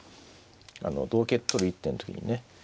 あの同桂と取る一手の時にね。